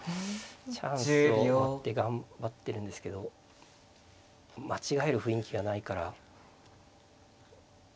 チャンスを待って頑張ってるんですけど間違える雰囲気がないから。